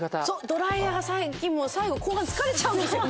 ドライヤーが最近後半疲れちゃうんですよ。